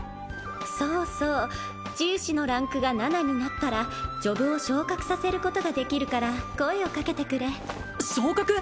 そうそう治癒士のランクが７になったらジョブを昇格させることができるから声をかけてくれ昇格！？